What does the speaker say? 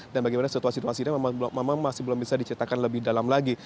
dan bagaimana situasi situasinya memang masih belum bisa diceritakan lebih dalam lagi